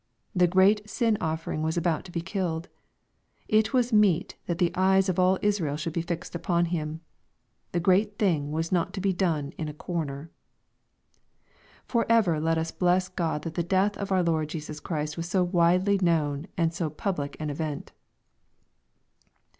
The great sin offering was about to be killed. It was meet that the eyes of all Israel should be fixed upon Him. This great thing was not to be done in a corner. For ever let us bless Grod that the death of our Lord Jesus Christ was so widely known and so public an event.